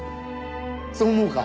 そう思うか？